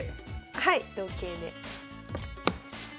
はい同桂で。